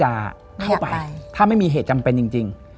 เข้าไปถ้าไม่มีเหตุจำเป็นจริง